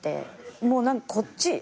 もう何かこっち「えっ！？」